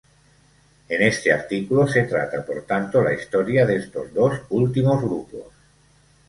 En este artículo se trata por tanto la historia de estos dos últimos grupos.